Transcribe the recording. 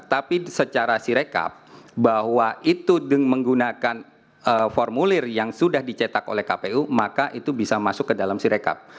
tapi secara sirekap bahwa itu menggunakan formulir yang sudah dicetak oleh kpu maka itu bisa masuk ke dalam sirekap